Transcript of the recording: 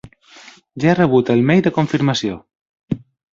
Ja he rebut el mail de confirmació.